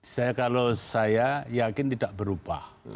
saya kalau saya yakin tidak berubah